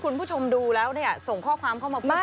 คุณผู้ชมดูแล้วเนี่ยส่งข้อความเข้ามาพูดคุยกันหน่อยนะ